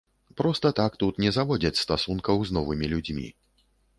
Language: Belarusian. Проста так тут не заводзяць стасункаў з новымі людзьмі.